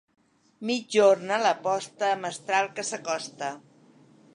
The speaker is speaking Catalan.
Migjorn a la posta, mestral que s'acosta.